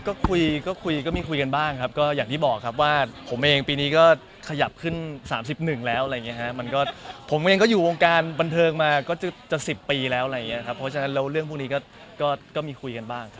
ก็คุยก็คุยก็มีคุยกันบ้างครับก็อย่างที่บอกครับว่าผมเองปีนี้ก็ขยับขึ้น๓๑แล้วอะไรอย่างเงี้ฮะมันก็ผมเองก็อยู่วงการบันเทิงมาก็จะ๑๐ปีแล้วอะไรอย่างเงี้ยครับเพราะฉะนั้นแล้วเรื่องพวกนี้ก็มีคุยกันบ้าง